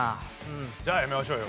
じゃあやめましょうよ。